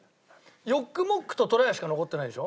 ヨックモックととらやしか残ってないでしょ？